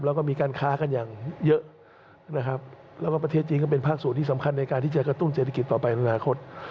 แล้วก็ประเทศจีนก็เป็นภาคสูตรที่สำคัญในการที่จะกระตุ้นเศรษฐกิจต่อไปในอนาคต